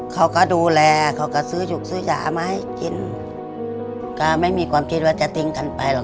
เขาก็ดูแลเขาก็ซื้อจุกซื้อยามาให้กินก็ไม่มีความคิดว่าจะทิ้งกันไปหรอก